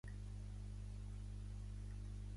cercar el treball creatiu Meltdown – Days of Destruction